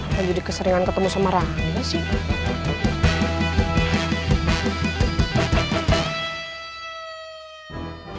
apa jadi keseringan ketemu sama rangga sih